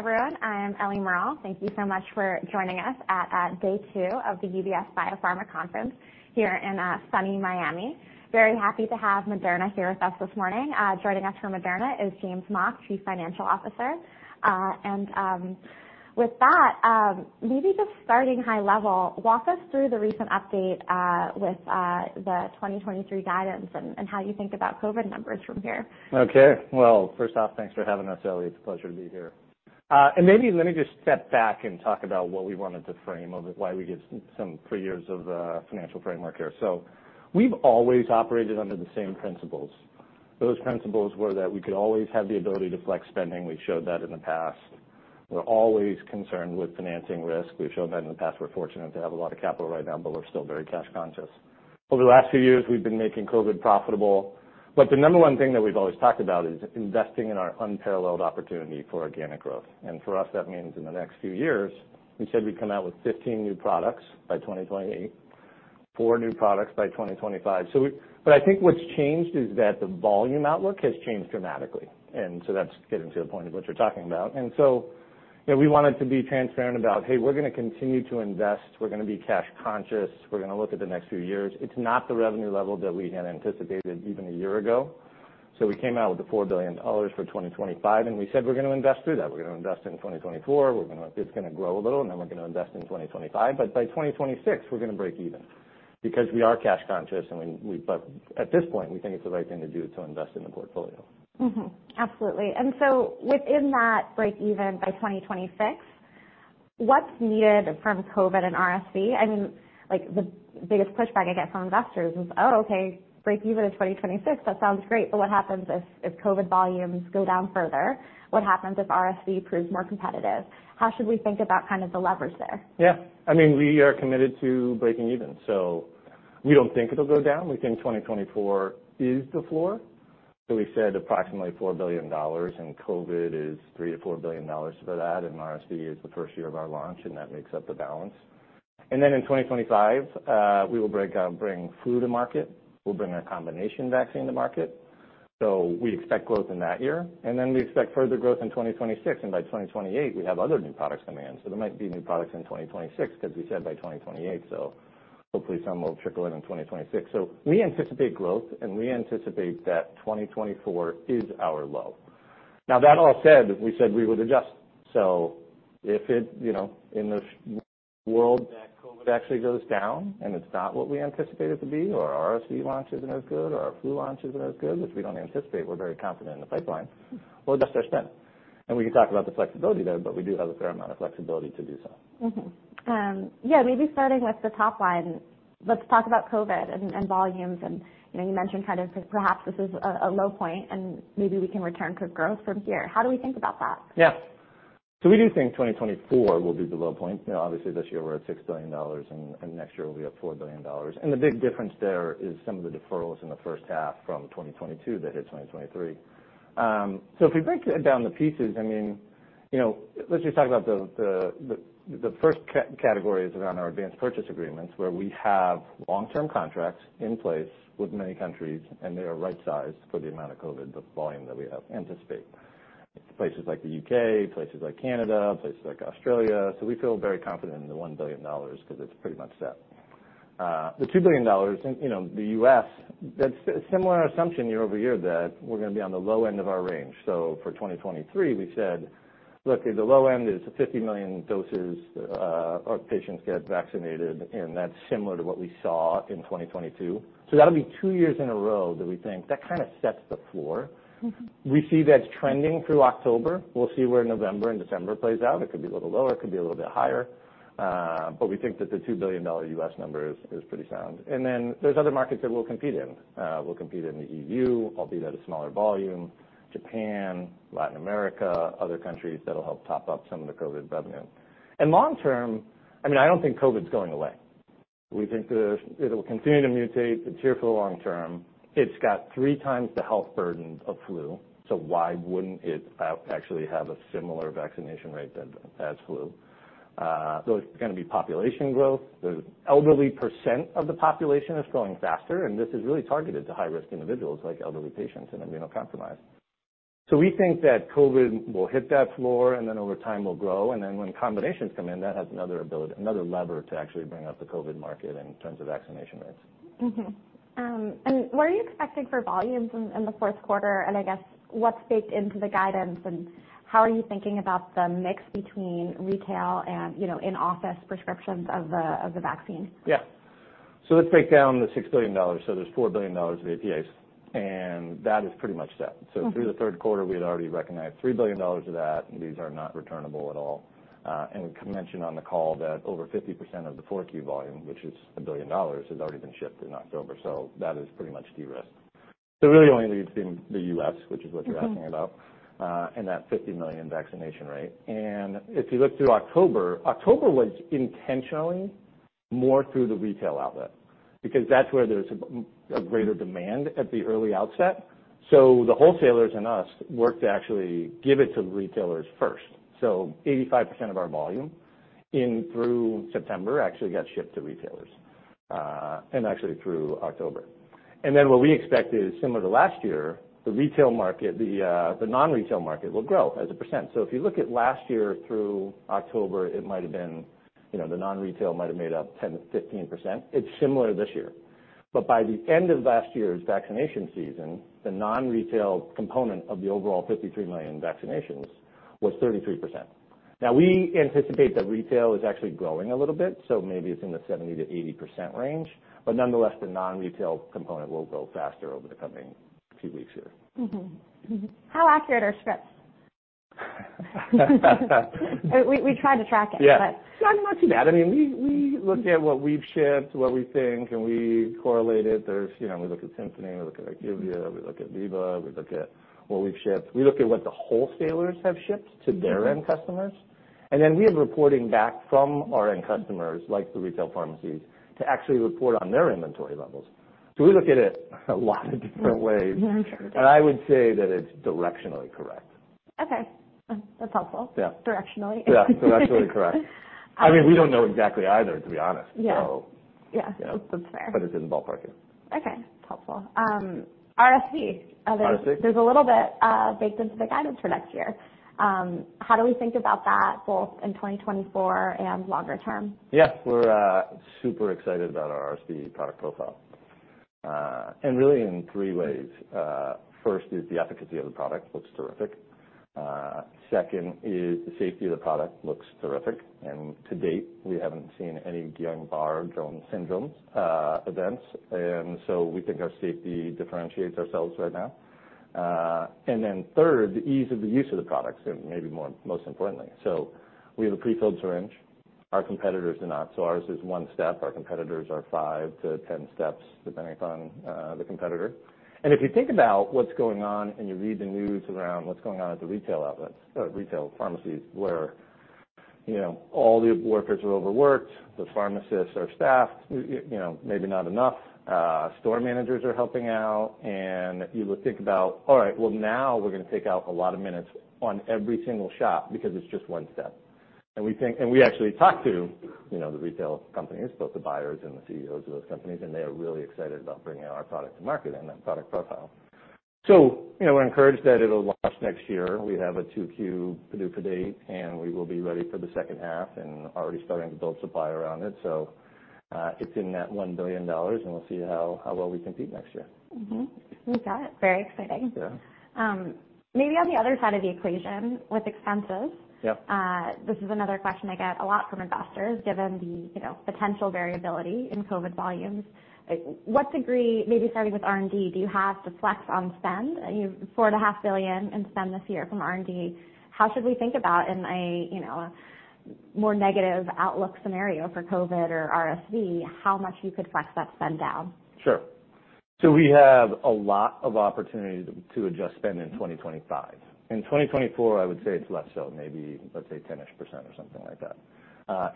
Everyone, I am Ellie Merle. Thank you so much for joining us at day two of the UBS Biopharma Conference here in sunny Miami. Very happy to have Moderna here with us this morning. Joining us from Moderna is Jamey Mock, Chief Financial Officer. And with that, maybe just starting high level, walk us through the recent update with the 2023 guidance and how you think about COVID numbers from here. Okay. Well, first off, thanks for having us, Ellie. It's a pleasure to be here. And maybe let me just step back and talk about what we wanted to frame, of why we give some three years of financial framework here. So we've always operated under the same principles. Those principles were that we could always have the ability to flex spending. We've showed that in the past. We're always concerned with financing risk. We've shown that in the past. We're fortunate to have a lot of capital right now, but we're still very cash conscious. Over the last few years, we've been making COVID profitable, but the number one thing that we've always talked about is investing in our unparalleled opportunity for organic growth. And for us, that means in the next few years, we said we'd come out with 15 new products by 2028, 4 new products by 2025. So, but I think what's changed is that the volume outlook has changed dramatically, and so that's getting to the point of what you're talking about. And so, you know, we wanted to be transparent about, "Hey, we're gonna continue to invest. We're gonna be cash conscious. We're gonna look at the next few years." It's not the revenue level that we had anticipated even a year ago. So we came out with the $4 billion for 2025, and we said we're gonna invest through that. We're gonna invest in 2024. We're gonna, it's gonna grow a little, and then we're gonna invest in 2025, but by 2026, we're gonna break even because we are cash conscious, and, but at this point, we think it's the right thing to do to invest in the portfolio. Mm-hmm. Absolutely. And so within that break even by 2026, what's needed from COVID and RSV? I mean, like, the biggest pushback I get from investors is: Oh, okay, break even in 2026, that sounds great, but what happens if, if COVID volumes go down further? What happens if RSV proves more competitive? How should we think about kind of the leverage there? Yeah. I mean, we are committed to breaking even, so we don't think it'll go down. We think 2024 is the floor. So we said approximately $4 billion, and COVID is $3 billion-$4 billion for that, and RSV is the first year of our launch, and that makes up the balance. And then in 2025, we will break out, bring flu to market. We'll bring our combination vaccine to market, so we expect growth in that year. And then we expect further growth in 2026, and by 2028, we have other new products coming in. So there might be new products in 2026, 'cause we said by 2028, so hopefully some will trickle in in 2026. So we anticipate growth, and we anticipate that 2024 is our low. Now, that all said, we said we would adjust. So if it, you know, in the world that COVID actually goes down and it's not what we anticipate it to be, or RSV launch isn't as good, or our flu launch isn't as good, which we don't anticipate, we're very confident in the pipeline, we'll adjust our spend. And we can talk about the flexibility there, but we do have a fair amount of flexibility to do so. Mm-hmm. Yeah, maybe starting with the top line, let's talk about COVID and, and volumes. And, you know, you mentioned kind of perhaps this is a, a low point, and maybe we can return to growth from here. How do we think about that? Yeah. So we do think 2024 will be the low point. You know, obviously, this year we're at $6 billion, and next year we'll be at $4 billion. And the big difference there is some of the deferrals in the first half from 2022 that hit 2023. So if we break down the pieces, I mean, you know, let's just talk about the first category is around our advance purchase agreements, where we have long-term contracts in place with many countries, and they are right-sized for the amount of COVID, the volume that we anticipate. Places like the UK, places like Canada, places like Australia, so we feel very confident in the $1 billion because it's pretty much set. The $2 billion, and, you know, the U.S., that's a similar assumption year over year, that we're gonna be on the low end of our range. So for 2023, we said, look, at the low end is 50 million doses, or patients get vaccinated, and that's similar to what we saw in 2022. So that'll be two years in a row that we think that kind of sets the floor. Mm-hmm. We see that trending through October. We'll see where November and December plays out. It could be a little lower, it could be a little bit higher. But we think that the $2 billion U.S. number is pretty sound. And then there's other markets that we'll compete in. We'll compete in the EU, albeit at a smaller volume, Japan, Latin America, other countries that'll help top up some of the COVID revenue. And long term, I mean, I don't think COVID's going away. We think that it'll continue to mutate. It's here for the long term. It's got three times the health burden of flu, so why wouldn't it actually have a similar vaccination rate as flu? So it's gonna be population growth. The elderly percent of the population is growing faster, and this is really targeted to high-risk individuals, like elderly patients and immunocompromised. So we think that COVID will hit that floor and then, over time, will grow, and then when combinations come in, that has another ability, another lever to actually bring up the COVID market in terms of vaccination rates. Mm-hmm. And what are you expecting for volumes in, in the fourth quarter? And I guess, what's baked into the guidance, and how are you thinking about the mix between retail and, you know, in-office prescriptions of the, of the vaccine? Yeah. So let's break down the $6 billion. So there's $4 billion of APAs, and that is pretty much set. Mm-hmm. So through the third quarter, we had already recognized $3 billion of that, and these are not returnable at all. And we mentioned on the call that over 50% of the 4Q volume, which is $1 billion, has already been shipped in October, so that is pretty much de-risked. So it really only leaves the US, which is what you're- Mm-hmm... asking about, and that 50 million vaccination rate. And if you look through October, October was intentionally more through the retail outlet because that's where there's a greater demand at the early outset. So the wholesalers and us work to actually give it to the retailers first. So 85% of our volume in through September actually got shipped to retailers.... and actually through October. And then what we expect is similar to last year, the retail market, the, the non-retail market will grow as a percent. So if you look at last year through October, it might have been, you know, the non-retail might have made up 10%-15%. It's similar this year. But by the end of last year's vaccination season, the non-retail component of the overall 53 million vaccinations was 33%. Now, we anticipate that retail is actually growing a little bit, so maybe it's in the 70%-80% range, but nonetheless, the non-retail component will grow faster over the coming few weeks here. Mm-hmm. How accurate are scripts? We, we tried to track it. Yeah. But- Not too bad. I mean, we looked at what we've shipped, what we think, and we correlate it. There's, you know, we look at Symphony, we look at IQVIA, we look at Veeva, we look at what we've shipped. We look at what the wholesalers have shipped to their end customers, and then we have reporting back from our end customers, like the retail pharmacies, to actually report on their inventory levels. So we look at it a lot of different ways. Yeah, sure. I would say that it's directionally correct. Okay. That's helpful. Yeah. Directionally. Yeah, directionally correct. I mean, we don't know exactly either, to be honest. Yeah. So... Yeah, that's fair. But it's in the ballpark. Okay. That's helpful. RSV. RSV? There's a little bit baked into the guidance for next year. How do we think about that, both in 2024 and longer term? Yeah. We're super excited about our RSV product profile, and really in three ways. First is the efficacy of the product; it looks terrific. Second is the safety of the product; it looks terrific, and to date, we haven't seen any Guillain-Barré Syndrome events, and so we think our safety differentiates ourselves right now. And then third, the ease of the use of the products, and maybe more, most importantly. So we have a prefilled syringe. Our competitors do not. So ours is one step; our competitors are five to 10 steps, depending upon the competitor. And if you think about what's going on and you read the news around what's going on at the retail outlets, retail pharmacies, where, you know, all the workers are overworked, the pharmacists are staffed, you know, maybe not enough. Store managers are helping out. And you would think about, all right, well, now we're going to take out a lot of minutes on every single shop because it's just one step. And we think, and we actually talked to, you know, the retail companies, both the buyers and the CEOs of those companies, and they are really excited about bringing our product to market and that product profile. So, you know, we're encouraged that it'll launch next year. We have a 2Q PDUFA date, and we will be ready for the second half and already starting to build supply around it. So, it's in that $1 billion, and we'll see how well we compete next year. Mm-hmm. We got it. Very exciting. Yeah. Maybe on the other side of the equation, with expenses- Yep. This is another question I get a lot from investors, given the, you know, potential variability in COVID volumes. What degree, maybe starting with R&D, do you have to flex on spend? You know, $4.5 billion in spend this year from R&D. How should we think about in a, you know, a more negative outlook scenario for COVID or RSV, how much you could flex that spend down? Sure. So we have a lot of opportunity to adjust spend in 2025. In 2024, I would say it's less so, maybe, let's say, 10-ish% or something like that.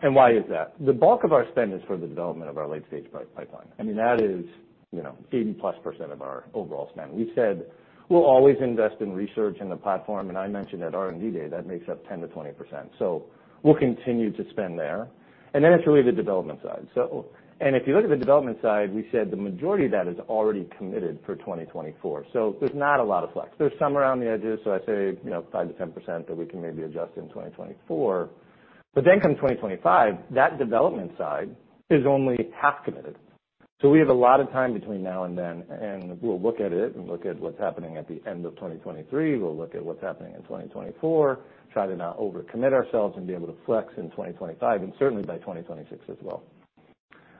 And why is that? The bulk of our spend is for the development of our late-stage pipeline. I mean, that is, you know, 80+% of our overall spend. We said we'll always invest in research and the platform, and I mentioned at R&D Day, that makes up 10%-20%. So we'll continue to spend there, and then it's really the development side. So and if you look at the development side, we said the majority of that is already committed for 2024, so there's not a lot of flex. There's some around the edges, so I'd say, you know, 5%-10% that we can maybe adjust in 2024. But then come 2025, that development side is only half committed. So we have a lot of time between now and then, and we'll look at it and look at what's happening at the end of 2023. We'll look at what's happening in 2024, try to not overcommit ourselves and be able to flex in 2025 and certainly by 2026 as well.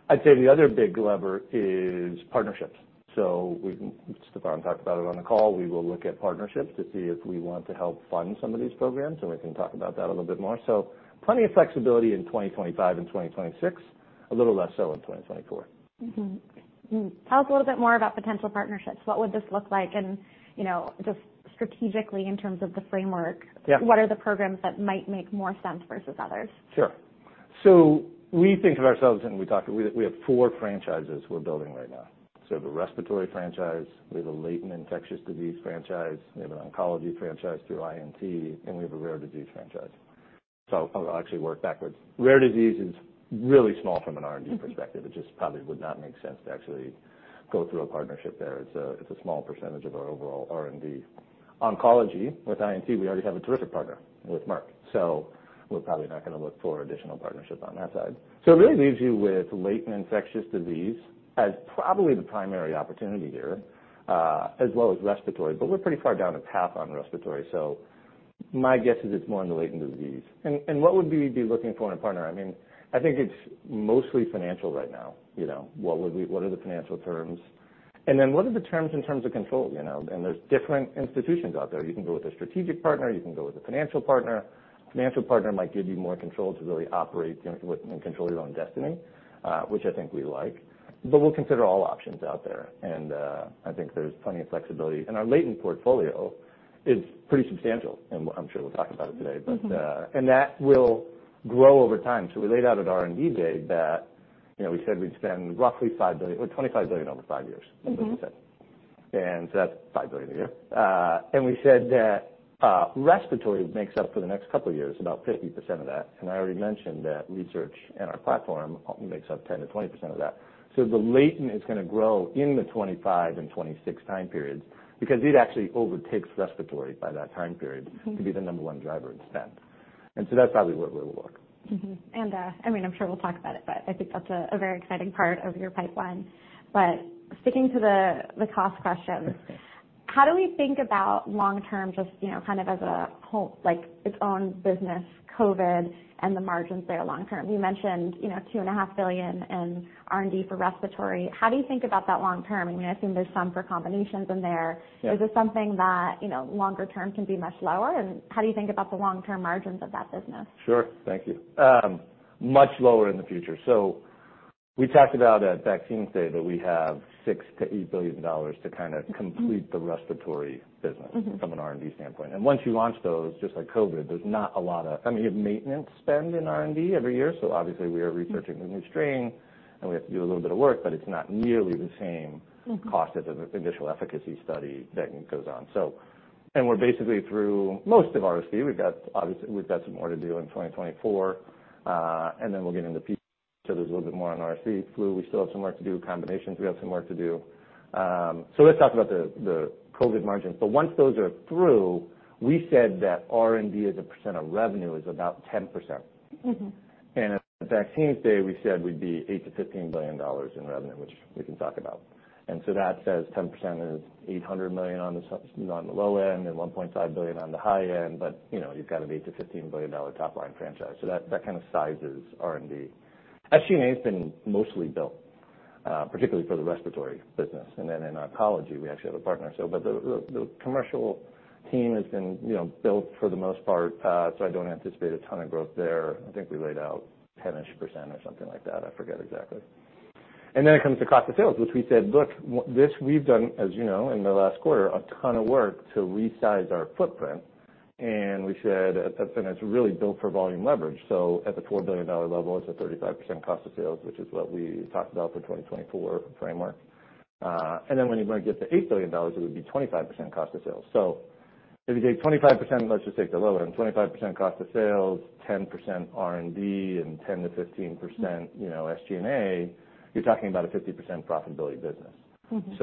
I'd say the other big lever is partnerships. So we can—Stéphane talked about it on the call. We will look at partnerships to see if we want to help fund some of these programs, and we can talk about that a little bit more. So plenty of flexibility in 2025 and 2026, a little less so in 2024. Mm-hmm. Tell us a little bit more about potential partnerships. What would this look like? And, you know, just strategically, in terms of the framework- Yeah. What are the programs that might make more sense versus others? Sure. So we think of ourselves, and we talked, we have four franchises we're building right now. So we have a respiratory franchise, we have a latent infectious disease franchise, we have an oncology franchise through INT, and we have a rare disease franchise. So I'll actually work backwards. Rare disease is really small from an R&D perspective. Mm-hmm. It just probably would not make sense to actually go through a partnership there. It's a small percentage of our overall R&D. Oncology, with INT, we already have a terrific partner with Merck, so we're probably not going to look for additional partnerships on that side. So it really leaves you with latent infectious disease as probably the primary opportunity here, as well as respiratory, but we're pretty far down the path on respiratory, so my guess is it's more in the latent disease. And what would we be looking for in a partner? I mean, I think it's mostly financial right now. You know, what would we, what are the financial terms? And then what are the terms in terms of control, you know, and there's different institutions out there. You can go with a strategic partner, you can go with a financial partner. Financial partner might give you more control to really operate and control your own destiny, which I think we like. But we'll consider all options out there, and I think there's plenty of flexibility. And our latent portfolio is pretty substantial, and I'm sure we'll talk about it today. Mm-hmm. But, and that will grow over time. So we laid out at R&D Day that, you know, we said we'd spend roughly $5 billion, or $25 billion over 5 years. Mm-hmm. And that's $5 billion a year. And we said that, respiratory makes up for the next couple of years, about 50% of that, and I already mentioned that research and our platform makes up 10%-20% of that. So the latent is gonna grow in the 2025 and 2026 time periods, because it actually overtakes respiratory by that time period to be the number one driver in spend. And so that's probably the way it will look. Mm-hmm. And, I mean, I'm sure we'll talk about it, but I think that's a very exciting part of your pipeline. But sticking to the cost question, how do we think about long term, just, you know, kind of as a whole, like its own business, COVID and the margins there long term? You mentioned, you know, $2.5 billion in R&D for respiratory. How do you think about that long term? I mean, I assume there's some for combinations in there. Yeah. Is this something that, you know, longer term can be much lower, and how do you think about the long-term margins of that business? Sure. Thank you. Much lower in the future. So we talked about at Vaccines Day, that we have $6 billion-$8 billion to kind of- Mm-hmm complete the respiratory business- Mm-hmm from an R&D standpoint. Once you launch those, just like COVID, there's not a lot of, I mean, you have maintenance spend in R&D every year, so obviously we are researching the new strain, and we have to do a little bit of work, but it's not nearly the same- Mm-hmm cost as an initial efficacy study that goes on. So, and we're basically through most of RSV. We've got obviously, we've got some more to do in 2024, and then we'll get into PD, so there's a little bit more on RSV. Flu, we still have some work to do. Combinations, we have some work to do. So let's talk about the COVID margins. But once those are through, we said that R&D as a percent of revenue is about 10%. Mm-hmm. At Vaccines Day, we said we'd be $8 billion-$15 billion in revenue, which we can talk about. And so that says 10% is $800 million on the low end and $1.5 billion on the high end, but, you know, you've got an $8 billion-$15 billion top line franchise. So that kind of sizes R&D. SG&A has been mostly built, particularly for the respiratory business, and then in oncology, we actually have a partner. So but the commercial team has been, you know, built for the most part, so I don't anticipate a ton of growth there. I think we laid out 10-ish% or something like that. I forget exactly. Then it comes to cost of sales, which we said, look, this we've done, as you know, in the last quarter, a ton of work to resize our footprint. And we said, at Pep, then it's really built for volume leverage. So at the $4 billion level, it's a 35% cost of sales, which is what we talked about for 2024 framework. And then when you want to get to $8 billion, it would be 25% cost of sales. So if you take 25%, let's just take the low end, 25% cost of sales, 10% R&D, and 10%-15%- Mm-hmm. You know, SG&A, you're talking about a 50% profitability business. Mm-hmm.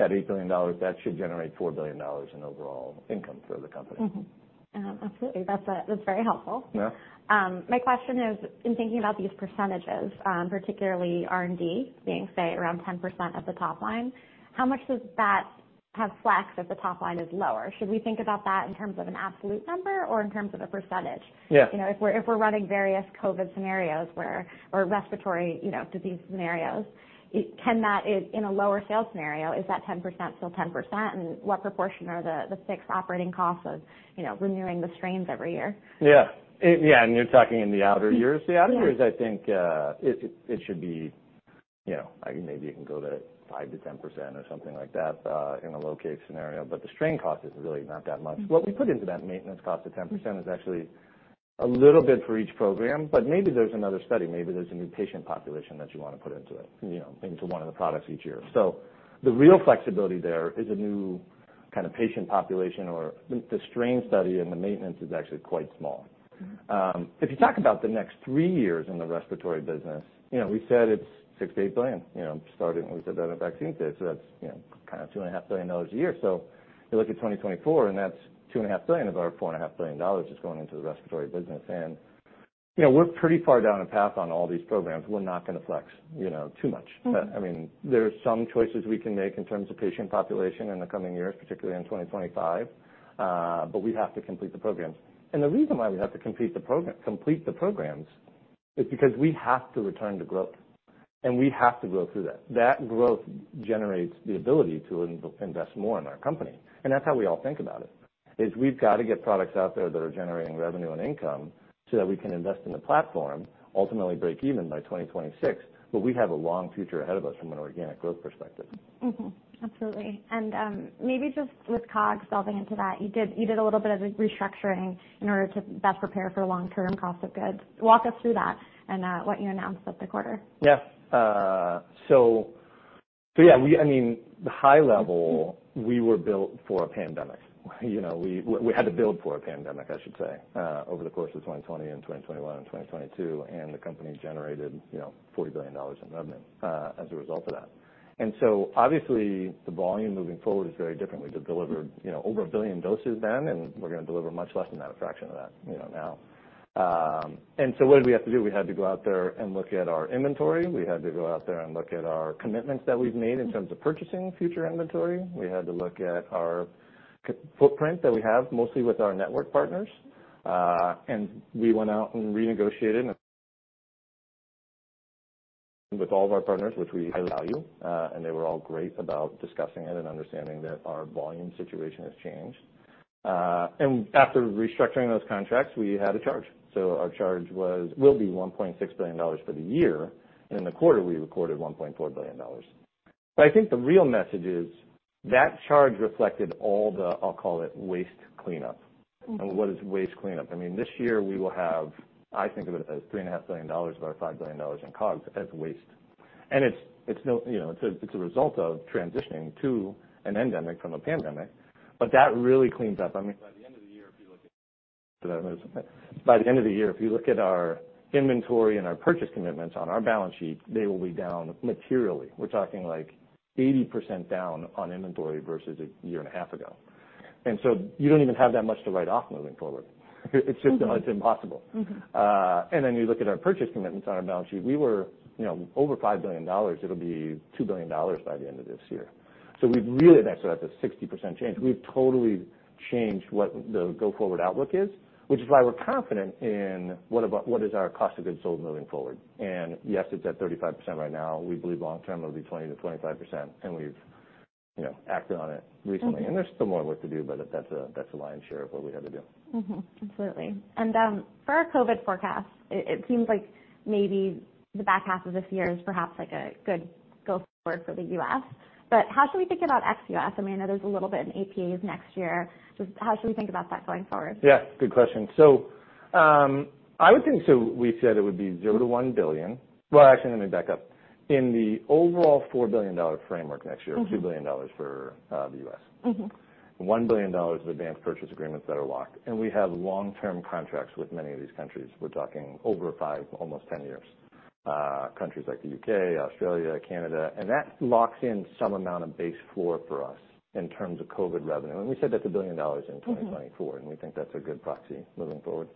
At $8 billion, that should generate $4 billion in overall income for the company. Mm-hmm. Absolutely. That's, that's very helpful. Yeah. My question is, in thinking about these percentages, particularly R&D, being, say, around 10% of the top line, how much does that have flex if the top line is lower? Should we think about that in terms of an absolute number or in terms of a percentage? Yeah. You know, if we're, if we're running various COVID scenarios where, or respiratory, you know, disease scenarios, it—can that in, in a lower sales scenario, is that 10% still 10%? And what proportion are the, the fixed operating costs of, you know, renewing the strains every year? Yeah. Yeah, and you're talking in the outer years. Yeah. The outer years, I think, it should be, you know, maybe it can go to 5%-10% or something like that, in a low-case scenario, but the strain cost is really not that much. Mm-hmm. What we put into that maintenance cost of 10% is actually a little bit for each program, but maybe there's another study, maybe there's a new patient population that you want to put into it, you know, into one of the products each year. So the real flexibility there is a new kind of patient population or the strain study, and the maintenance is actually quite small. If you talk about the next three years in the respiratory business, you know, we said it's $6 billion-$8 billion, you know, starting, we said that at Vaccines Day, so that's, you know, kind of $2.5 billion a year. So you look at 2024, and that's $2.5 billion of our $4.5 billion dollars is going into the respiratory business. You know, we're pretty far down the path on all these programs. We're not gonna flex, you know, too much. Mm-hmm. But, I mean, there are some choices we can make in terms of patient population in the coming years, particularly in 2025, but we have to complete the programs. And the reason why we have to complete the program, complete the programs, is because we have to return to growth, and we have to grow through that. That growth generates the ability to invest more in our company, and that's how we all think about it, is we've got to get products out there that are generating revenue and income so that we can invest in the platform, ultimately break even by 2026. But we have a long future ahead of us from an organic growth perspective. Mm-hmm. Absolutely. And, maybe just with COG delving into that, you did a little bit of restructuring in order to best prepare for long-term cost of goods. Walk us through that and what you announced at the quarter. Yeah. So yeah, we, I mean, the high level- Mm-hmm. We were built for a pandemic. You know, we, we had to build for a pandemic, I should say, over the course of 2020 and 2021 and 2022, and the company generated, you know, $40 billion in revenue, as a result of that. And so obviously, the volume moving forward is very different. We delivered, you know, over 1 billion doses then, and we're gonna deliver much less than that, a fraction of that, you know, now. And so what did we have to do? We had to go out there and look at our inventory. We had to go out there and look at our commitments that we've made in terms of purchasing future inventory. We had to look at our CapEx footprint that we have, mostly with our network partners. And we went out and renegotiated with all of our partners, which we highly value, and they were all great about discussing it and understanding that our volume situation has changed. And after restructuring those contracts, we had a charge. So our charge was, will be $1.6 billion for the year, and in the quarter, we recorded $1.4 billion. But I think the real message is that charge reflected all the, I'll call it, waste cleanup. And what is waste cleanup? I mean, this year we will have, I think of it as $3.5 billion of our $5 billion in COGS as waste. And it's, you know, it's a result of transitioning to an endemic from a pandemic. But that really cleans up. I mean, by the end of the year, if you look at our inventory and our purchase commitments on our balance sheet, they will be down materially. We're talking like 80% down on inventory versus a year and a half ago. And so you don't even have that much to write off moving forward. It's just, it's impossible. Mm-hmm. and then you look at our purchase commitments on our balance sheet. We were, you know, over $5 billion. It'll be $2 billion by the end of this year. So we've really got a 60% change. We've totally changed what the go-forward outlook is, which is why we're confident in what is our cost of goods sold moving forward? And yes, it's at 35% right now. We believe long term it'll be 20%-25%, and we've, you know, acted on it recently. Mm-hmm. There's still more work to do, but that's a lion's share of what we have to do. Mm-hmm, absolutely. For our COVID forecast, it seems like maybe the back half of this year is perhaps like a good go forward for the U.S., but how should we think about ex U.S.? I mean, I know there's a little bit in APAs next year. Just how should we think about that going forward? Yeah, good question. So, I would think, so we said it would be $0-$1 billion. Well, actually, let me back up. In the overall $4 billion framework next year- Mm-hmm. -$2 billion for the U.S. Mm-hmm. $1 billion of advance purchase agreements that are locked, and we have long-term contracts with many of these countries. We're talking over 5, almost 10 years. Countries like the UK, Australia, Canada, and that locks in some amount of base floor for us in terms of COVID revenue. And we said that's $1 billion in 2024- Mm-hmm. and we think that's a good proxy moving forward.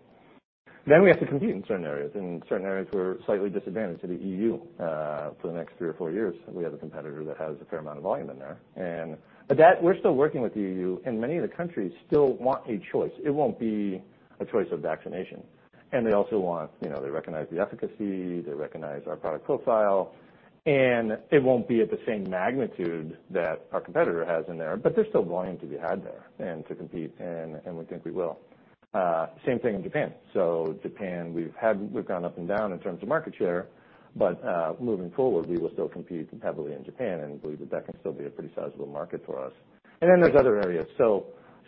Then we have to compete in certain areas, and certain areas we're slightly disadvantaged. In the EU, for the next 3 or 4 years, we have a competitor that has a fair amount of volume in there. But that we're still working with the EU, and many of the countries still want a choice. It won't be a choice of vaccination. And they also want, you know, they recognize the efficacy, they recognize our product profile, and it won't be at the same magnitude that our competitor has in there, but there's still volume to be had there and to compete, and we think we will. Same thing in Japan. So Japan, we've gone up and down in terms of market share, but moving forward, we will still compete heavily in Japan and believe that that can still be a pretty sizable market for us. And then there's other areas. So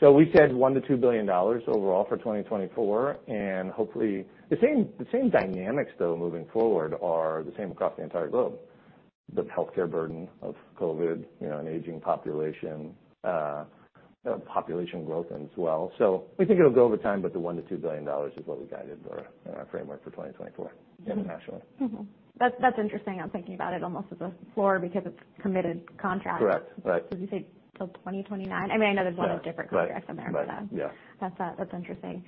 we said $1-$2 billion overall for 2024, and hopefully. The same, the same dynamics, though, moving forward, are the same across the entire globe. The healthcare burden of COVID, you know, an aging population, you know, population growth as well. So we think it'll go over time, but the $1-$2 billion is what we guided for in our framework for 2024 internationally. Mm-hmm. That's, that's interesting. I'm thinking about it almost as a floor because it's committed contracts. Correct. Right. Did you say till 2029? I mean, I know there's a lot of different contracts in there. Right. Yeah. That's interesting.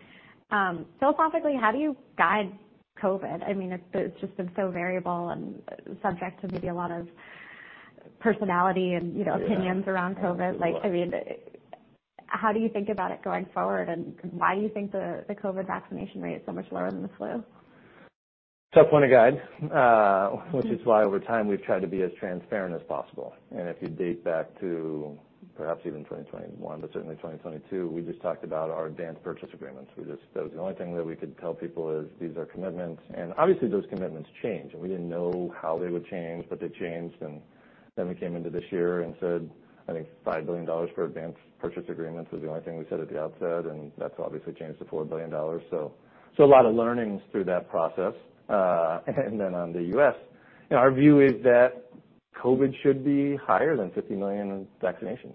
Philosophically, how do you guide COVID? I mean, it's just been so variable and subject to maybe a lot of personality and, you know, opinions around COVID. Yeah. Like, I mean, how do you think about it going forward, and why do you think the COVID vaccination rate is so much lower than the flu? Tough one to guide, Mm-hmm. which is why, over time, we've tried to be as transparent as possible. And if you date back to perhaps even 2021, but certainly 2022, we just talked about our advance purchase agreements. We just... That was the only thing that we could tell people is these are commitments, and obviously those commitments change, and we didn't know how they would change, but they changed. And then we came into this year and said, I think $5 billion for advance purchase agreements was the only thing we said at the outset, and that's obviously changed to $4 billion. So, so a lot of learnings through that process. And then on the US, you know, our view is that COVID should be higher than 50 million vaccinations.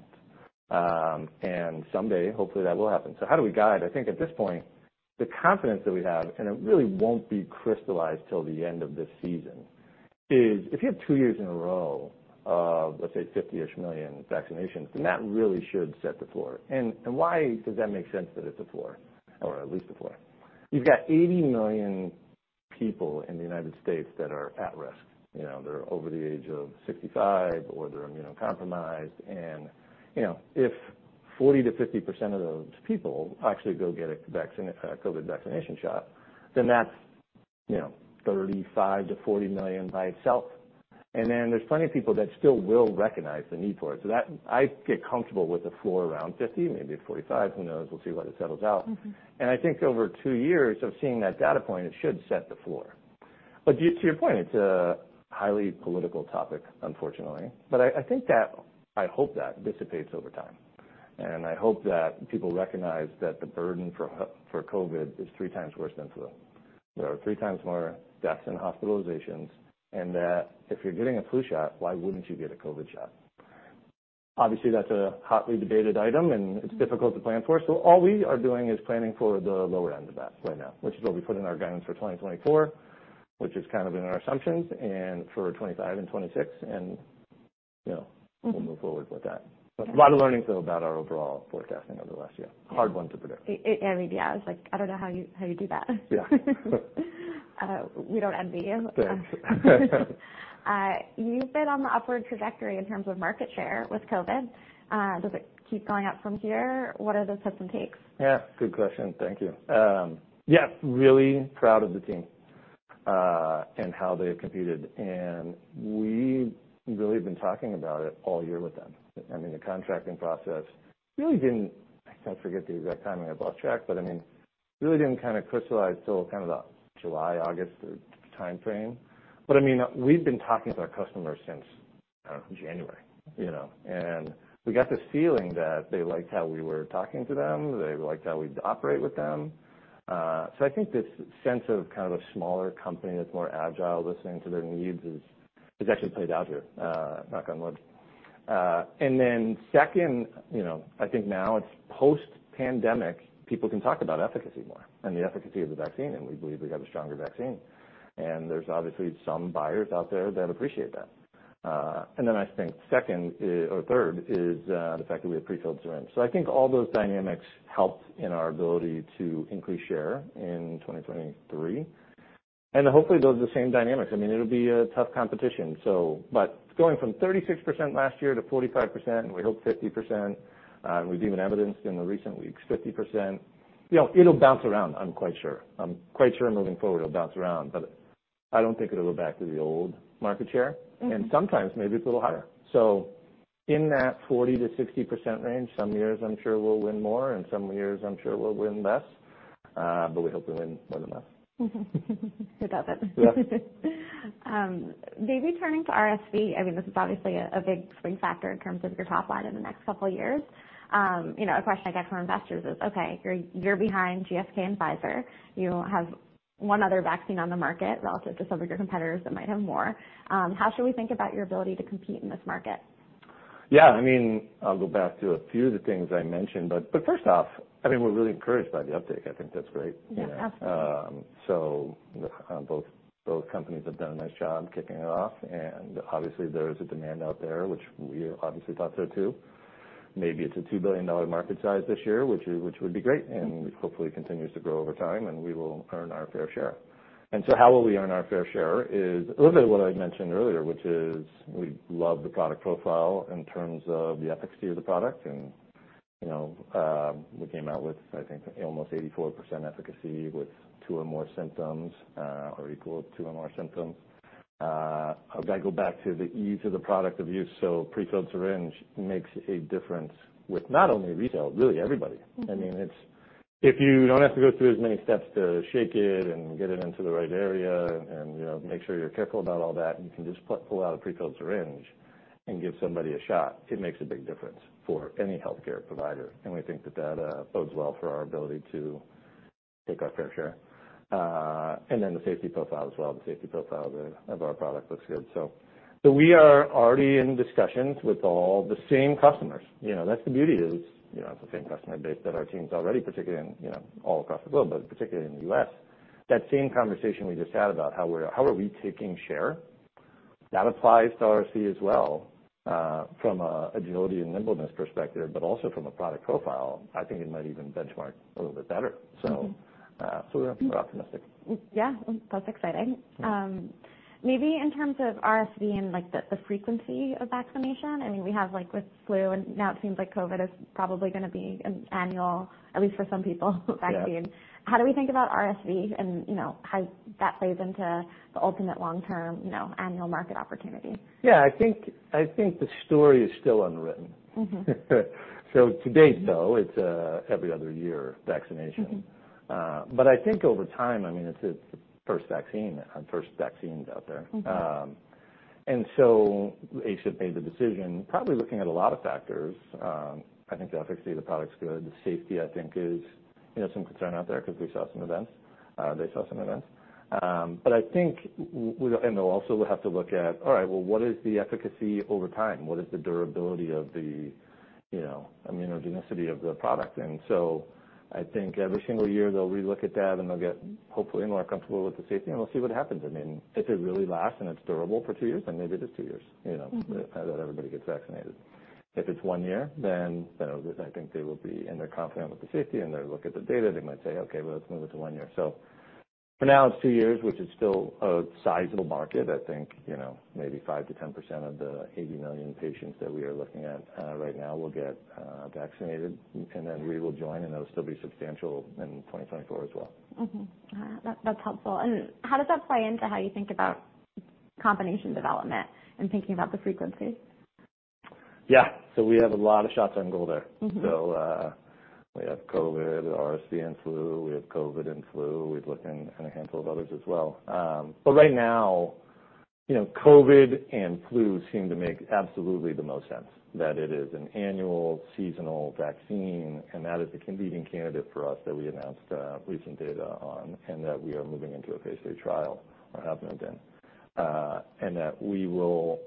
And someday, hopefully, that will happen. So how do we guide? I think at this point, the confidence that we have, and it really won't be crystallized till the end of this season, is if you have two years in a row of, let's say, 50-ish million vaccinations, then that really should set the floor. And why does that make sense that it's a floor or at least a floor? You've got 80 million people in the United States that are at risk. You know, they're over the age of 65, or they're immunocompromised. And, you know, if 40%-50% of those people actually go get a vaccine, COVID vaccination shot, then that's, you know, 35-40 million by itself. And then there's plenty of people that still will recognize the need for it. So that. I'd get comfortable with a floor around 50, maybe 45. Who knows? We'll see what it settles out. Mm-hmm. And I think over two years of seeing that data point, it should set the floor. But due to your point, it's a highly political topic, unfortunately. But I think that, I hope that dissipates over time, and I hope that people recognize that the burden for COVID is three times worse than flu. There are three times more deaths and hospitalizations, and that if you're getting a flu shot, why wouldn't you get a COVID shot? Obviously, that's a hotly debated item, and it's difficult to plan for. So all we are doing is planning for the lower end of that right now, which is what we put in our guidance for 2024, which is kind of in our assumptions, and for 2025 and 2026, and, you know- Mm-hmm. We'll move forward with that. Mm-hmm. A lot of learning, though, about our overall forecasting over the last year. Hard one to predict. It, I mean, yeah, I was like, I don't know how you, how you do that. Yeah. We don't envy you. Thanks. You've been on the upward trajectory in terms of market share with COVID. Does it keep going up from here? What are the takes and takes? Yeah, good question. Thank you. Yeah, really proud of the team and how they have competed, and we really have been talking about it all year with them. I mean, the contracting process really didn't... I forget the exact timing, I lost track, but I mean, really didn't kind of crystallize till kind of the July, August timeframe. But, I mean, we've been talking to our customers since January, you know? And we got the feeling that they liked how we were talking to them, they liked how we operate with them. So I think this sense of kind of a smaller company that's more agile, listening to their needs is, has actually played out here, knock on wood. And then second, you know, I think now it's post-pandemic, people can talk about efficacy more and the efficacy of the vaccine, and we believe we have a stronger vaccine. And there's obviously some buyers out there that appreciate that. And then I think second is, or third is, the fact that we have prefilled syringe. So I think all those dynamics helped in our ability to increase share in 2023, and hopefully those are the same dynamics. I mean, it'll be a tough competition, so, but going from 36% last year to 45%, and we hope 50%, we've even evidenced in the recent weeks, 50%. You know, it'll bounce around, I'm quite sure. I'm quite sure moving forward it'll bounce around, but I don't think it'll go back to the old market share, and sometimes maybe it's a little higher. So in that 40%-60% range, some years I'm sure we'll win more, and some years I'm sure we'll win less, but we hope to win more than less. Who doesn't? Yeah. Maybe turning to RSV, I mean, this is obviously a big swing factor in terms of your top line in the next couple years. You know, a question I get from investors is: Okay, you're behind GSK and Pfizer. You have one other vaccine on the market relative to some of your competitors that might have more. How should we think about your ability to compete in this market? Yeah, I mean, I'll go back to a few of the things I mentioned. But first off, I think we're really encouraged by the uptake. I think that's great, you know? Yeah, absolutely. So, both, both companies have done a nice job kicking it off, and obviously there is a demand out there, which we obviously thought so too. Maybe it's a $2 billion market size this year, which, which would be great, and which hopefully continues to grow over time, and we will earn our fair share. And so how will we earn our fair share is a little bit of what I mentioned earlier, which is we love the product profile in terms of the efficacy of the product, and, you know, we came out with, I think, almost 84% efficacy with two or more symptoms, or equal two or more symptoms. I've got to go back to the ease of the product of use. So prefilled syringe makes a difference with not only retail, really everybody. Mm-hmm. I mean, it's. If you don't have to go through as many steps to shake it and get it into the right area and, you know, make sure you're careful about all that, you can just pull out a prefilled syringe and give somebody a shot, it makes a big difference for any healthcare provider, and we think that that bodes well for our ability to take our fair share. And then the safety profile as well. The safety profile of our product looks good. So we are already in discussions with all the same customers. You know, that's the beauty is, you know, it's the same customer base that our team's already, particularly in, you know, all across the globe, but particularly in the US. That same conversation we just had about how we're taking share, that applies to RSV as well, from a agility and nimbleness perspective, but also from a product profile. I think it might even benchmark a little bit better. Mm-hmm. So, we're optimistic. Yeah, that's exciting. Maybe in terms of RSV and, like, the frequency of vaccination, I mean, we have, like, with flu, and now it seems like COVID is probably gonna be an annual, at least for some people, vaccine. Yeah. How do we think about RSV and, you know, how that plays into the ultimate long-term, you know, annual market opportunity? Yeah, I think, I think the story is still unwritten. Mm-hmm. To date, though, it's every other year vaccination. Mm-hmm. I think over time, I mean, it's a first vaccine on first vaccines out there. Mm-hmm. And so ACIP made the decision, probably looking at a lot of factors. I think the efficacy of the product's good. The safety, I think is, you know, some concern out there because we saw some events, they saw some events. But I think and they'll also have to look at, all right, well, what is the efficacy over time? What is the durability of the, you know, immunogenicity of the product? And so I think every single year they'll relook at that, and they'll get, hopefully, more comfortable with the safety, and we'll see what happens. I mean, if it really lasts and it's durable for two years, then maybe it is two years, you know- Mm-hmm how that everybody gets vaccinated. If it's one year, then, you know, I think they will be in the confident with the safety, and they look at the data, they might say: Okay, well, let's move it to one year. So for now, it's two years, which is still a sizable market. I think, you know, maybe 5%-10% of the 80 million patients that we are looking at right now will get vaccinated, and then we will join, and they'll still be substantial in 2024 as well. Mm-hmm. That, that's helpful. And how does that play into how you think about combination development and thinking about the frequency? Yeah. So we have a lot of shots on goal there. Mm-hmm. So, we have COVID, RSV and flu, we have COVID and flu. We've looked in, in a handful of others as well. But right now, you know, COVID and flu seem to make absolutely the most sense, that it is an annual seasonal vaccine, and that is a convenient candidate for us that we announced, recent data on, and that we are moving into a phase III trial or have moved in. And that we will,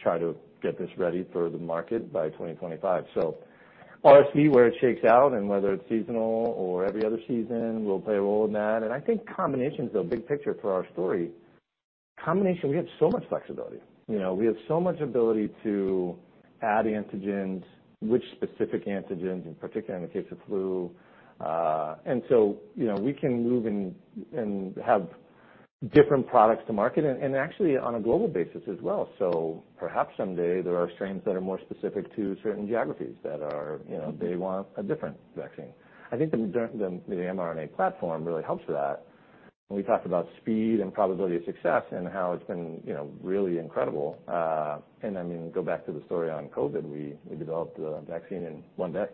try to get this ready for the market by 2025. So RSV, where it shakes out and whether it's seasonal or every other season, we'll play a role in that. And I think combination is a big picture for our story. Combination, we have so much flexibility. You know, we have so much ability to add antigens, which specific antigens, in particular in the case of flu. and so, you know, we can move and have different products to market and actually on a global basis as well. So perhaps someday there are strains that are more specific to certain geographies that are, you know- Mm-hmm... they want a different vaccine. I think the mRNA platform really helps that. We talked about speed and probability of success and how it's been, you know, really incredible. And I mean, go back to the story on COVID. We developed a vaccine in one day.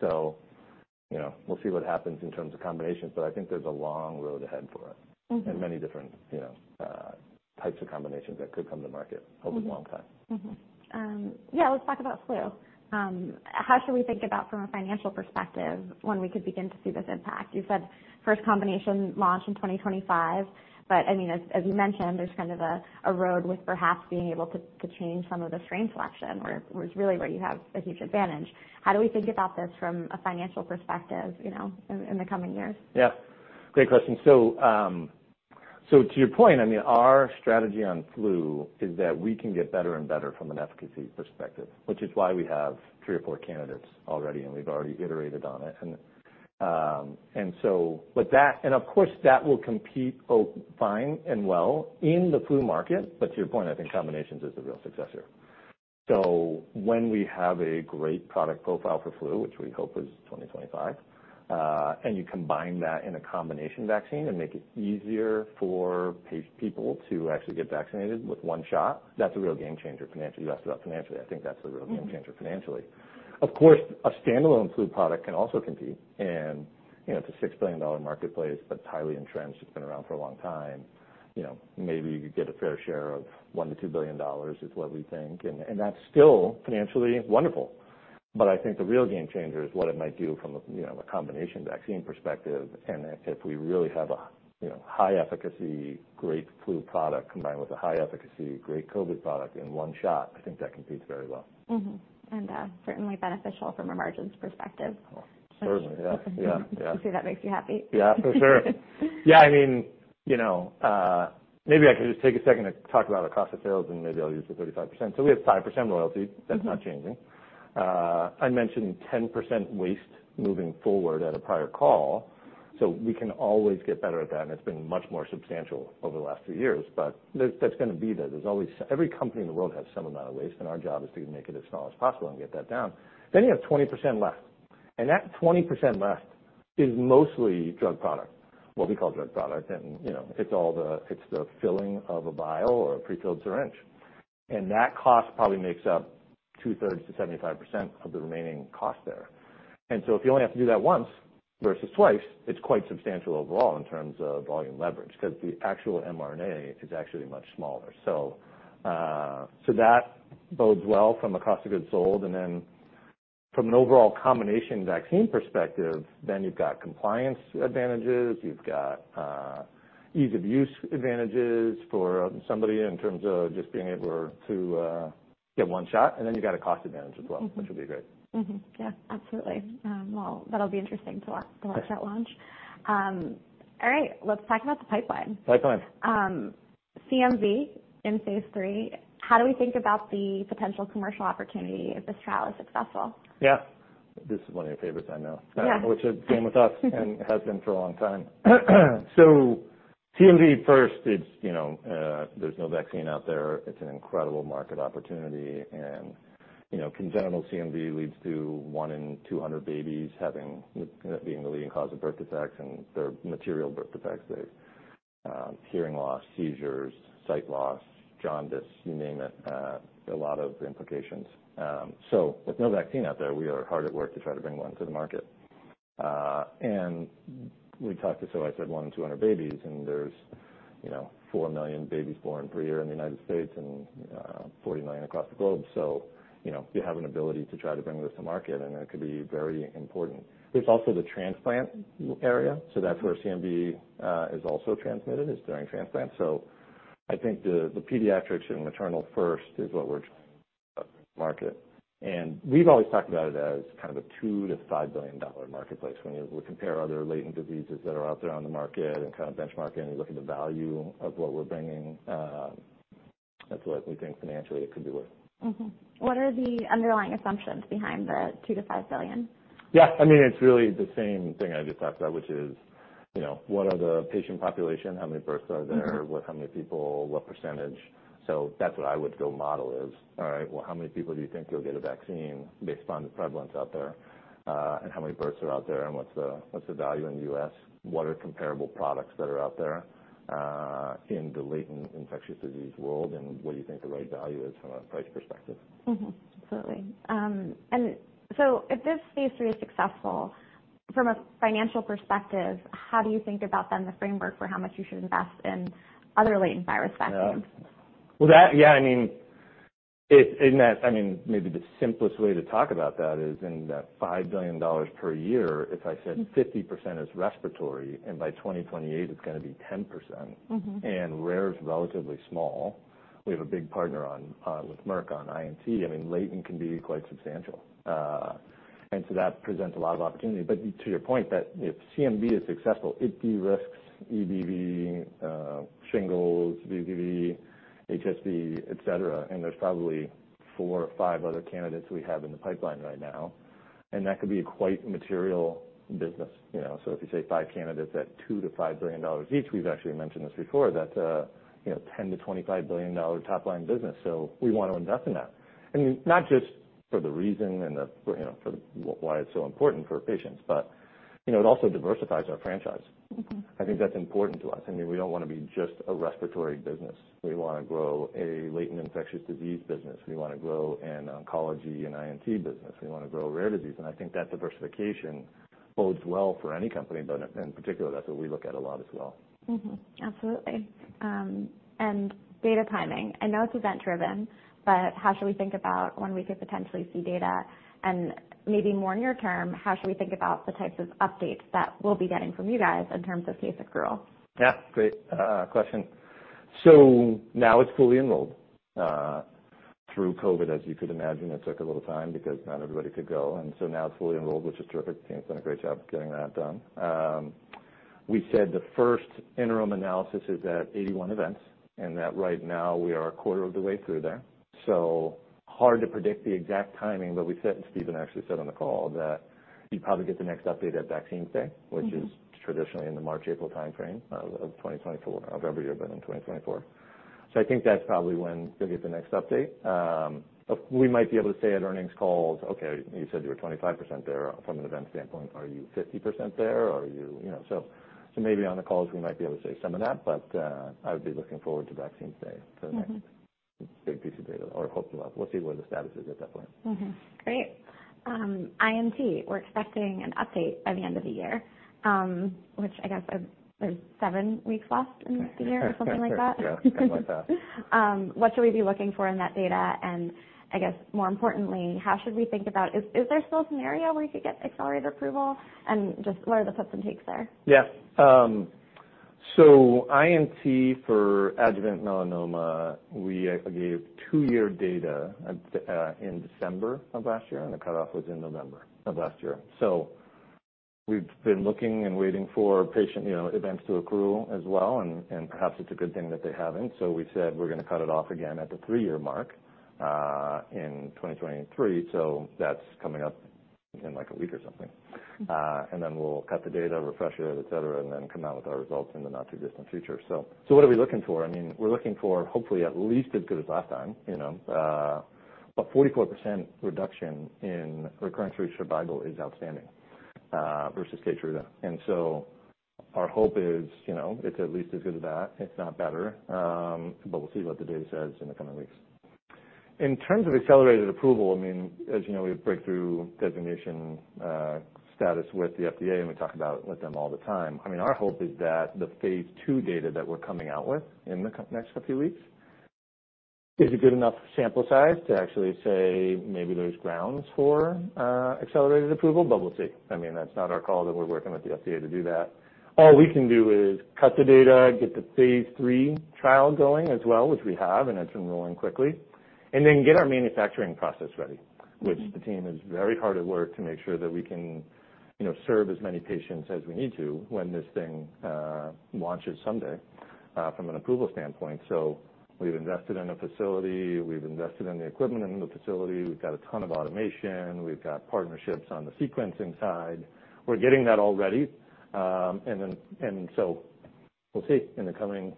You know, we'll see what happens in terms of combinations, but I think there's a long road ahead for it. Mm-hmm. And many different, you know, types of combinations that could come to market over a long time. Mm-hmm. Yeah, let's talk about flu. How should we think about from a financial perspective, when we could begin to see this impact? You said first combination launch in 2025, but I mean, as you mentioned, there's kind of a road with perhaps being able to change some of the strain selection, where it's really where you have a huge advantage. How do we think about this from a financial perspective, you know, in the coming years? Yeah. Great question. So, to your point, I mean, our strategy on flu is that we can get better and better from an efficacy perspective, which is why we have three or four candidates already, and we've already iterated on it. And so with that, of course, that will compete, both fine and well in the flu market. But to your point, I think combinations is the real success here. So when we have a great product profile for flu, which we hope is 2025, and you combine that in a combination vaccine and make it easier for people to actually get vaccinated with one shot, that's a real game changer financially. You asked about financially. I think that's a real game changer financially. Of course, a standalone flu product can also compete, and, you know, it's a $6 billion marketplace that's highly entrenched. It's been around for a long time. You know, maybe you could get a fair share of $1 billion-$2 billion, is what we think, and, and that's still financially wonderful. But I think the real game changer is what it might do from a, you know, a combination vaccine perspective. And if, if we really have a, you know, high efficacy, great flu product combined with a high efficacy, great COVID product in one shot, I think that competes very well. Mm-hmm. And, certainly beneficial from a margins perspective. Certainly. Yeah, yeah, yeah. I see that makes you happy. Yeah, for sure. Yeah, I mean, you know, maybe I could just take a second to talk about our cost of sales, and maybe I'll use the 35%. So we have 5% loyalty. Mm-hmm. That's not changing. I mentioned 10% waste moving forward at a prior call, so we can always get better at that, and it's been much more substantial over the last few years, but that, that's gonna be there. There's always-- Every company in the world has some amount of waste, and our job is to make it as small as possible and get that down. Then you have 20% left, and that 20% left is mostly drug product, what we call drug product. And, you know, it's all the- it's the filling of a vial or a prefilled syringe. And that cost probably makes up two-thirds to 75% of the remaining cost there. And so if you only have to do that once versus twice, it's quite substantial overall in terms of volume leverage, 'cause the actual mRNA is actually much smaller. So that bodes well from a cost of goods sold, and then from an overall combination vaccine perspective, then you've got compliance advantages, you've got ease of use advantages for somebody in terms of just being able to get one shot, and then you've got a cost advantage as well- Mm-hmm. which will be great. Mm-hmm. Yeah, absolutely. Well, that'll be interesting to watch- Yeah. -at launch. All right, let's talk about the pipeline. Pipeline. CMV in phase 3, how do we think about the potential commercial opportunity if this trial is successful? Yeah. This is one of your favorites, I know. Yeah. Which has been with us and has been for a long time. So CMV, first, it's, you know, there's no vaccine out there. It's an incredible market opportunity. And, you know, congenital CMV leads to 1 in 200 babies having... That being the leading cause of birth defects and they're material birth defects. They, hearing loss, seizures, sight loss, jaundice, you name it, a lot of implications. So with no vaccine out there, we are hard at work to try to bring one to the market. And we talked to, so I said, 1 in 200 babies, and there's, you know, 4 million babies born per year in the United States and, 40 million across the globe. So, you know, you have an ability to try to bring this to market, and it could be very important. There's also the transplant area, so that's where CMV is also transmitted, is during transplant. So I think the pediatrics and maternal first is what we're trying market, and we've always talked about it as kind of a $2 billion-$5 billion marketplace. When you compare other latent diseases that are out there on the market and kind of benchmarking and look at the value of what we're bringing, that's what we think financially it could be worth. Mm-hmm. What are the underlying assumptions behind the $2 billion-$5 billion? Yeah, I mean, it's really the same thing I just talked about, which is, you know, what are the patient population? How many births are there? Mm-hmm. What? How many people? What percentage? So that's what I would go model is. All right, well, how many people do you think you'll get a vaccine based on the prevalence out there? And how many births are out there, and what's the value in the US? What are comparable products that are out there in the latent infectious disease world, and what do you think the right value is from a price perspective? Mm-hmm. Absolutely. And so if this phase 3 is successful, from a financial perspective, how do you think about then the framework for how much you should invest in other latent virus vaccines? Yeah. Well, yeah, I mean, in that, I mean, maybe the simplest way to talk about that is in that $5 billion per year, if I said- Mm-hmm. 50% is respiratory, and by 2028, it's gonna be 10%. Mm-hmm. Rare is relatively small. We have a big partner on with Merck on INT. I mean, latent can be quite substantial, and so that presents a lot of opportunity. But to your point, that if CMV is successful, it de-risks EBV, shingles, VZV, HSV, et cetera, and there's probably four or five other candidates we have in the pipeline right now, and that could be a quite material business, you know? So if you say 5 candidates at $2 billion-$5 billion each, we've actually mentioned this before, that's a, you know, $10 billion-$25 billion top-line business, so we want to invest in that. I mean, not just for the reason and the, for, you know, for why it's so important for patients, but you know, it also diversifies our franchise. Mm-hmm. I think that's important to us. I mean, we don't wanna be just a respiratory business. We wanna grow a latent infectious disease business. We wanna grow an oncology and INT business. We wanna grow rare disease. I think that diversification bodes well for any company, but in particular, that's what we look at a lot as well. Mm-hmm. Absolutely. And data timing. I know it's event-driven, but how should we think about when we could potentially see data? And maybe more near term, how should we think about the types of updates that we'll be getting from you guys in terms of case accrual? Yeah, great, question. So now it's fully enrolled. Through COVID, as you could imagine, it took a little time because not everybody could go, and so now it's fully enrolled, which is terrific. The team's done a great job getting that done. We said the first interim analysis is at 81 events, and that right now we are a quarter of the way through there. So hard to predict the exact timing, but we said, and Stephen actually said on the call, that you'd probably get the next update at Vaccines Day- Mm-hmm. -which is traditionally in the March, April timeframe of 2024 of every year, but in 2024. So I think that's probably when you'll get the next update. But we might be able to say at earnings calls, "Okay, you said you were 25% there from an event standpoint. Are you 50% there? Are you..." You know, so, so maybe on the calls we might be able to say some of that, but I would be looking forward to Vaccines Day- Mm-hmm For the next big piece of data, or hopefully we'll, we'll see where the status is at that point. Mm-hmm. Great. INT, we're expecting an update by the end of the year, which I guess there's seven weeks left in the year or something like that. Yeah, something like that. What should we be looking for in that data? And I guess more importantly, how should we think about... Is there still some area where you could get accelerated approval? And just what are the puts and takes there? Yeah. So INT for adjuvant melanoma, we gave two-year data at in December of last year, and the cutoff was in November of last year. So we've been looking and waiting for patient, you know, events to accrue as well, and perhaps it's a good thing that they haven't. So we said we're gonna cut it off again at the three-year mark in 2023. So that's coming up in, like, a week or something. And then we'll cut the data, refresh it, et cetera, and then come out with our results in the not-too-distant future. So what are we looking for? I mean, we're looking for hopefully at least as good as last time, you know. But 44% reduction in recurrence-free survival is outstanding versus KEYTRUDA. And so our hope is, you know, it's at least as good as that, if not better. But we'll see what the data says in the coming weeks. In terms of accelerated approval, I mean, as you know, we have breakthrough designation status with the FDA, and we talk about it with them all the time. I mean, our hope is that the phase 2 data that we're coming out with in the next few weeks is a good enough sample size to actually say maybe there's grounds for accelerated approval, but we'll see. I mean, that's not our call, but we're working with the FDA to do that. All we can do is cut the data, get the phase 3 trial going as well, which we have, and it's enrolling quickly. And then get our manufacturing process ready- Mm-hmm. which the team is very hard at work to make sure that we can, you know, serve as many patients as we need to when this thing launches someday from an approval standpoint. So we've invested in a facility, we've invested in the equipment in the facility, we've got a ton of automation, we've got partnerships on the sequencing side. We're getting that all ready. And so we'll see in the coming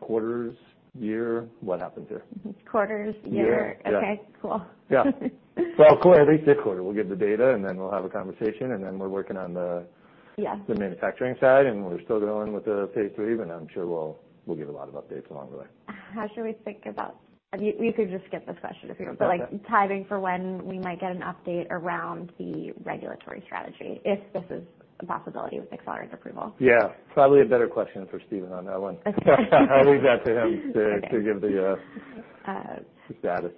quarters, year, what happens here? Quarters, year. Year. Okay, cool. Yeah. Well, quarter, at least a quarter. We'll give the data, and then we'll have a conversation, and then we're working on the- Yeah the manufacturing side, and we're still going with the phase 3, but I'm sure we'll, we'll give a lot of updates along the way. How should we think about? You, you could just skip this question if you want. Okay. Like, timing for when we might get an update around the regulatory strategy, if this is a possibility with accelerated approval? Yeah, probably a better question for Stephen on that one. Okay. I'll leave that to him to, to give the, Uh -the status.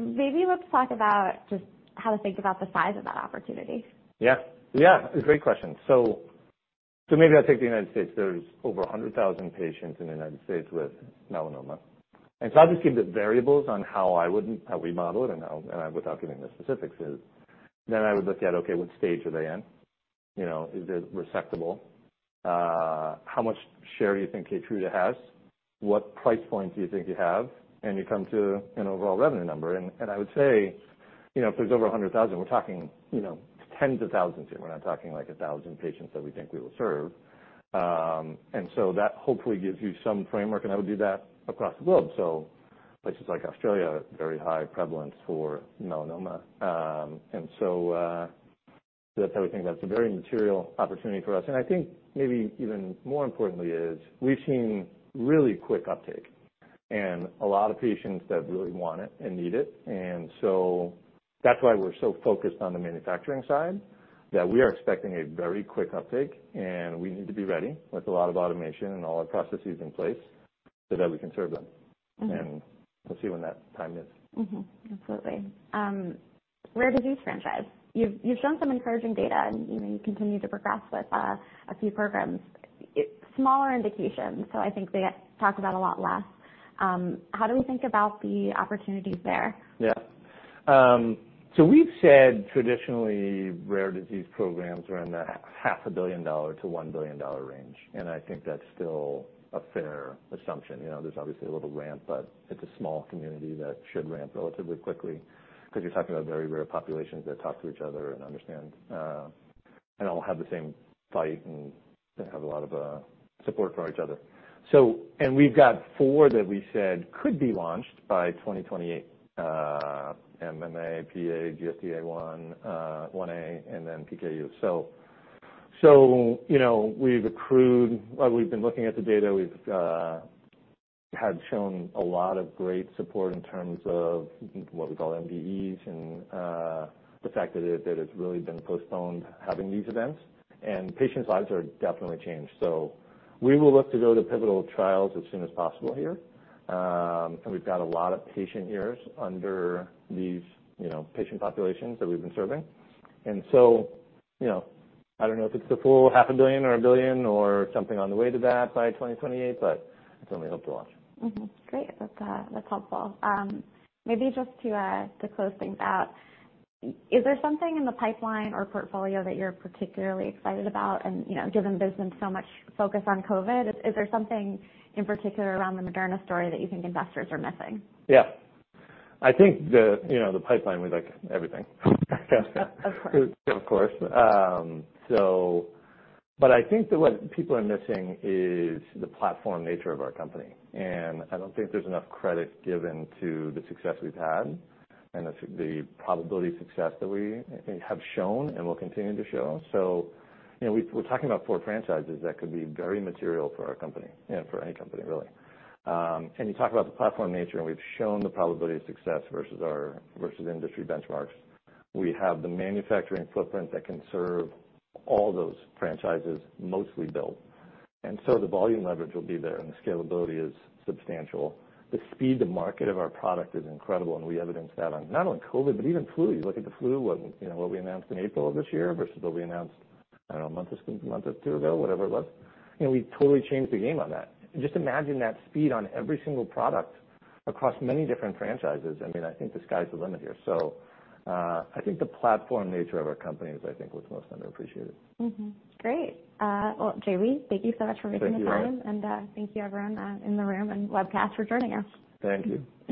Maybe let's talk about just how to think about the size of that opportunity. Yeah. Yeah, it's a great question. So, so maybe I'll take the United States. There's over 100,000 patients in the United States with melanoma, and so I'll just give the variables on how I would, how we model it and how, and without giving the specifics is, then I would look at, okay, what stage are they in? You know, is it resectable? How much share do you think KEYTRUDA has? What price point do you think you have? And you come to an overall revenue number, and, and I would say, you know, if there's over 100,000, we're talking, you know, tens of thousands here. We're not talking, like, 1,000 patients that we think we will serve. And so that hopefully gives you some framework, and I would do that across the globe. So places like Australia, very high prevalence for melanoma. That's how we think that's a very material opportunity for us. I think maybe even more importantly is, we've seen really quick uptake and a lot of patients that really want it and need it. That's why we're so focused on the manufacturing side, that we are expecting a very quick uptake, and we need to be ready with a lot of automation and all our processes in place so that we can serve them. Mm-hmm. We'll see when that time is. Mm-hmm. Absolutely. Rare disease franchise. You've shown some encouraging data, and, you know, you continue to progress with a few programs. It's smaller indications, so I think they get talked about a lot less. How do we think about the opportunities there? Yeah. So we've said traditionally, rare disease programs are in the $500 million-$1 billion range, and I think that's still a fair assumption. You know, there's obviously a little ramp, but it's a small community that should ramp relatively quickly because you're talking about very rare populations that talk to each other and understand, and all have the same fight and have a lot of support for each other. So, and we've got four that we said could be launched by 2028, MMA, PA, GSD1a, and then PKU. So, you know, we've accrued, or we've been looking at the data. We've had shown a lot of great support in terms of what we call MDEs, and the fact that it, that it's really been postponed, having these events, and patients' lives are definitely changed. So we will look to go to pivotal trials as soon as possible here. And we've got a lot of patient years under these, you know, patient populations that we've been serving. So, you know, I don't know if it's the full $500 million or $1 billion or something on the way to that by 2028, but it's only hope to watch. Mm-hmm. Great. That's helpful. Maybe just to close things out, is there something in the pipeline or portfolio that you're particularly excited about? And, you know, given there's been so much focus on COVID, is there something in particular around the Moderna story that you think investors are missing? Yeah. I think the, you know, the pipeline, we like everything. Of course. Of course. So but I think that what people are missing is the platform nature of our company, and I don't think there's enough credit given to the success we've had and the probability of success that we have shown and will continue to show. So, you know, we're talking about four franchises that could be very material for our company and for any company, really. And you talk about the platform nature, and we've shown the probability of success versus industry benchmarks. We have the manufacturing footprint that can serve all those franchises, mostly built, and so the volume leverage will be there, and the scalability is substantial. The speed to market of our product is incredible, and we evidence that on not only COVID, but even flu. You look at the flu and, you know, what we announced in April of this year versus what we announced, I don't know, a month or so, a month or two ago, whatever it was, you know, we totally changed the game on that. Just imagine that speed on every single product across many different franchises. I mean, I think the sky's the limit here. So, I think the platform nature of our company is, I think, what's most underappreciated. Mm-hmm. Great. Well, Jamey, thank you so much for making the time. Thank you. Thank you everyone in the room and webcast for joining us. Thank you.